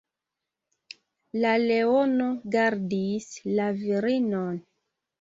La leono gardis la virinon.